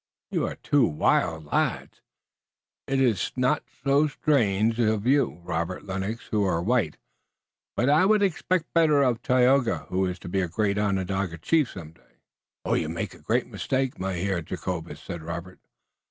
You are two wild lads. It iss not so strange uf you, Robert Lennox, who are white, but I would expect better uf Tayoga, who is to be a great Onondaga chief some day." "You make a great mistake, Mynheer Jacobus," said Robert.